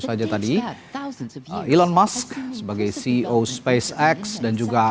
pada artikel dua puluh satu hé tengku tentang